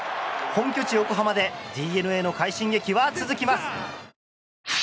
本拠地、横浜でＤｅＮＡの快進撃は続きます。